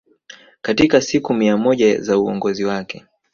katika siku mia moja za uongozi wake